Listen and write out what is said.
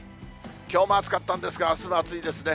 きょうも暑かったんですが、あすも暑いですね。